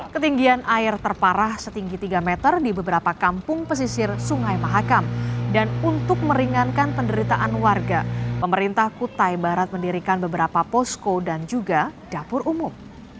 ketinggian air terparah setinggi tiga meter di beberapa kampung pesisir sungai mahakam dan untuk meringankan penderitaan warga pemerintah kutai barat mendirikan beberapa posko dan juga dapur umum